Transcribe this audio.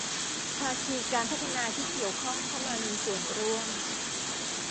ภาคีการพัฒนาที่เกี่ยวข้องเข้ามามีส่วนร่วม